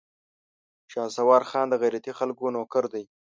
شهسوار خان د غيرتي خلکو نوکر دی.